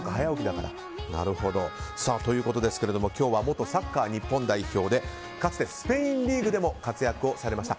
ということで今日は元サッカー日本代表でかつてスペインリーグでも活躍されました